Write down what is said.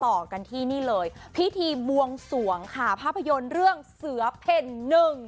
ต่อกันที่นี่เลยพิธีบวงสวงค่ะภาพยนตร์เรื่องเสือเพ่นหนึ่ง